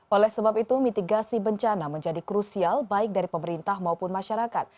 oleh sebab itu mitigasi bencana menjadi krusial baik dari pemerintah maupun masyarakat